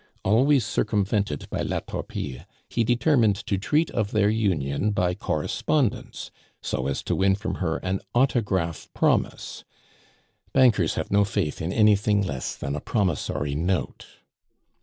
Always circumvented by "La Torpille," he determined to treat of their union by correspondence, so as to win from her an autograph promise. Bankers have no faith in anything less than a promissory note.